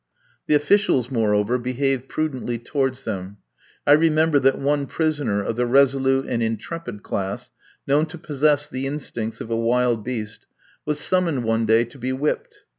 The officials, moreover, behaved prudently towards them. I remember that one prisoner of the resolute and intrepid class, known to possess the instincts of a wild beast, was summoned one day to be whipped.